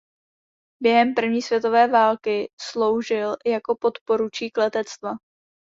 Během první světové války sloužil jako podporučík letectva.